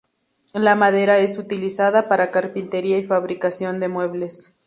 La madera es utilizada para carpintería y fabricación de muebles.